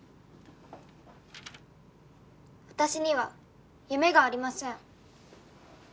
「私には夢がありません」